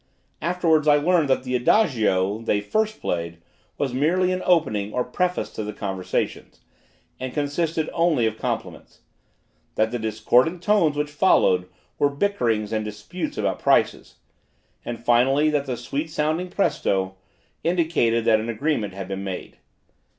Afterwards I learnt that the Adagio, they first played, was merely an opening or preface to the conversation, and consisted only of compliments; that the discordant tones which followed, were bickerings and disputes about prices; and, finally, that the sweet sounding Presto indicated that an agreement had been made.